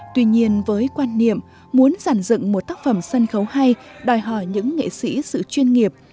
tuy nhiên với quan niệm muốn giản dựng một tác phẩm sân khấu hay đòi hỏi những nghệ sĩ sự chuyên nghiệp